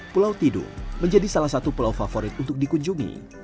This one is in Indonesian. pulau tidu menjadi salah satu pulau favorit untuk dikunjungi